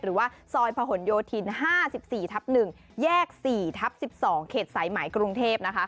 หรือว่าซอยพะหนโยธิน๕๔ทับ๑แยก๔ทับ๑๒เขตสายไหมกรุงเทพ